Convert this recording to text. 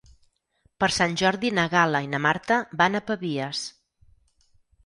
Per Sant Jordi na Gal·la i na Marta van a Pavies.